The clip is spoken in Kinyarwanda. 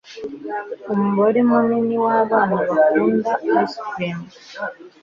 Umubare munini wabana bakunda ice cream.